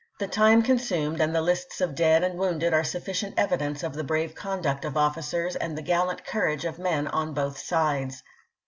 The time consumed and the lists of dead and wounded are sufficient evidence of the brave conduct of officers and the gallant courage of men on both sides.